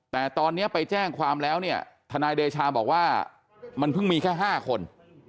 แต่ตอนนี้ไปแจ้งความแล้วเนี่ยทนายเดชาบอกว่ามันเพิ่งมีแค่๕คน